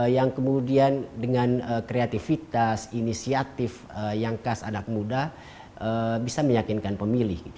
yang kemudian dengan kreativitas inisiatif yang khas anak muda bisa meyakinkan pemilih